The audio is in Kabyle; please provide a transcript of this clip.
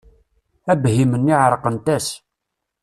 Abhim-nni εerqent-as.